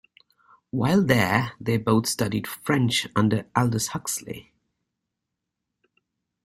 While there, they both studied French under Aldous Huxley.